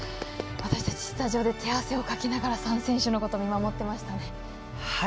私たち、スタジオで手汗をかきながら３選手のことを見守っていましたね。